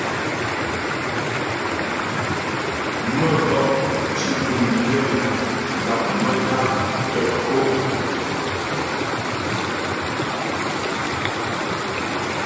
Mə́gɔp di bəm myə gap maə́tá tə́ kǒ'.